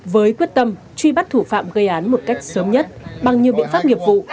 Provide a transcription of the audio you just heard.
với quyết tâm truy bắt thủ phạm gây án một cách sớm nhất bằng nhiều biện pháp nghiệp vụ